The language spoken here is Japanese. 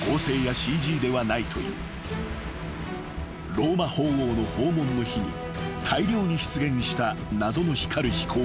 ［ローマ法王の訪問の日に大量に出現した謎の光る飛行物体］